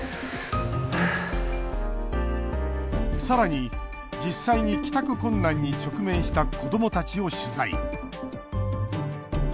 さらに、実際に帰宅困難に直面した子どもたちを取材。